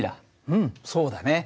うんそうだね。